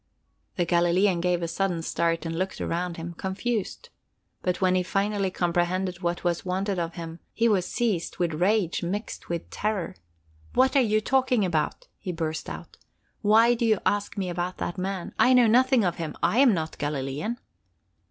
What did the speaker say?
The Galilean gave a sudden start and looked around him, confused. But when he finally comprehended what was wanted of him, he was seized with rage mixed with terror. "What are you talking about?" he burst out. "Why do you ask me about that man? I know nothing of him. I'm not a Galilean."